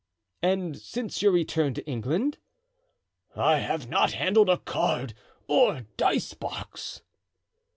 "And since your return to England?" "I have not handled a card or dice box."